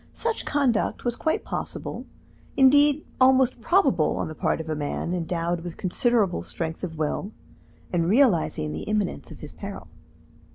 Such conduct was quite possible, indeed almost probable on the part of a man, endowed with considerable strength of will, and realizing the imminence of his peril.